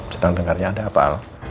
sedang dengarnya ada apa